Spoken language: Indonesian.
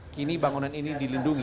kini bangunan ini dilindungi